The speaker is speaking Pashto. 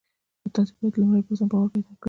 تاسې بايد لومړی پر ځان باور پيدا کړئ.